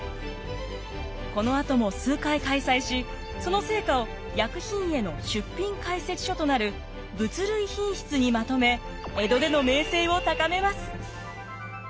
このあとも数回開催しその成果を薬品会の出品解説書となる「物類品隲」にまとめ江戸での名声を高めます。